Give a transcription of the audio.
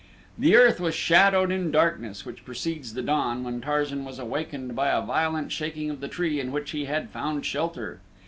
The earth was shadowed in the darkness which precedes the dawn when Tarzan was awakened by a violent shaking of the tree in which he had found shelter.